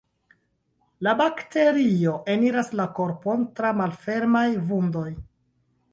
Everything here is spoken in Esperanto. La bakterio eniras la korpon tra malfermaj vundoj.